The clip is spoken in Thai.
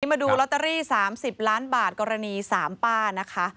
มาดูลอตเตอรี่๓๐ล้านบาทกรณี๓ป้านะคะ